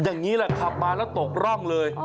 อย่างนี้แหละขับมาแล้วตกร่องเลย